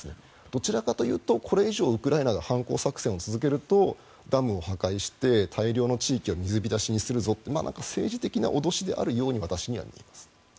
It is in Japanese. どちらかというとこれ以上、ウクライナが反攻作戦を続けるとダムを破壊して大量の地域を水浸しにするぞって政治的な脅しであるように私には見えます。